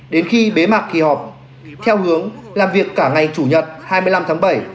đến khi bế mạc kỳ họp theo hướng làm việc cả ngày chủ nhật hai mươi năm tháng bảy